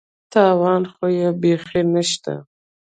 تاوان خو یې بېخي نشته.